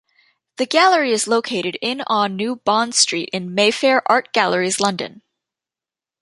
The gallery is located in on New Bond Street in Mayfair, art galleries london.